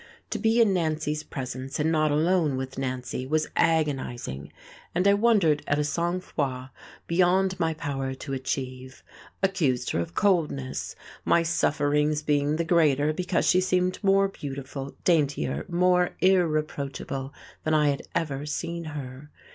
To be in Nancy's presence and not alone with Nancy was agonizing, and I wondered at a sang froid beyond my power to achieve, accused her of coldness, my sufferings being the greater because she seemed more beautiful, daintier, more irreproachable than I had ever seen her.